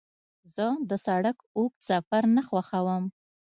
زه د سړک اوږد سفر نه خوښوم.